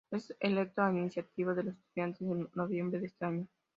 Es electo, a iniciativa de los estudiantes, en noviembre de ese año.